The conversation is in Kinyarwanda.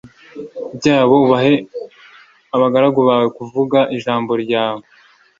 byabo uhe abagaragu bawe kuvuga ijambo ryawe